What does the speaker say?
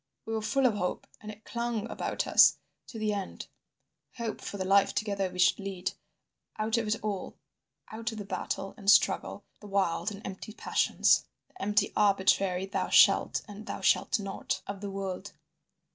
We were full of hope, and it clung about us to the end, hope for the life together we should lead, out of it all, out of the battle and struggle, the wild and empty passions, the empty arbitrary 'thou shalt' and 'thou shalt not' of the world.